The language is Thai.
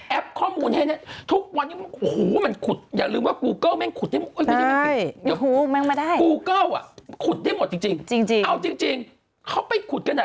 แอพข้อมูลให้แน่นอะเว้ยแอพข้อมูลให้แน่นเพื่อจะไป